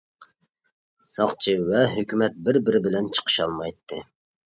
ساقچى ۋە ھۆكۈمەت بىر-بىرى بىلەن چىقىشالمايتتى.